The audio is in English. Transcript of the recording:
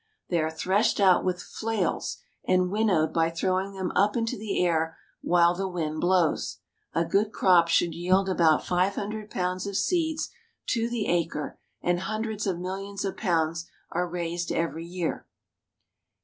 They are threshed out with flails, and winnowed by throwing them up into the air while the wind blows. A good crop should yield about five hundred pounds of seeds to the acre, and hundreds of millions of pounds are raised every year.